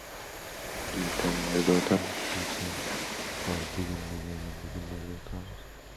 Plastik egasi topildi.